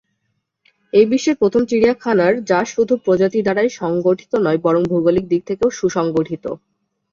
এটি বিশ্বের প্রথম চিড়িয়াখানার যা শুধু প্রজাতি দ্বারাই সংগঠিত না বরং ভৌগোলিক দিক থেকেও সুসংগঠিত।